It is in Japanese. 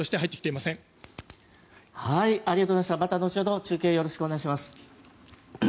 また後ほど中継お願いします。